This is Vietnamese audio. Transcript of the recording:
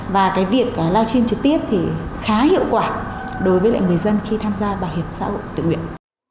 và cái việc live stream trực tiếp thì khá hiệu quả đối với lại người dân khi tham gia bảo hiểm xã hội tự nguyện